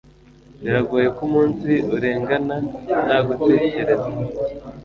Biragoye ko umunsi urengana ntagutekereza.